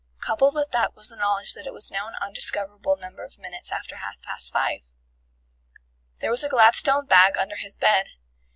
Coupled with that was the knowledge that it was now an undiscoverable number of minutes after half past five. There was a Gladstone bag under his bed.